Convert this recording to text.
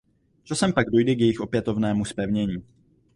Časem pak dojde k jejich opětovnému zpevnění.